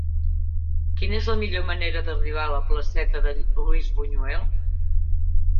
Quina és la millor manera d'arribar a la placeta de Luis Buñuel?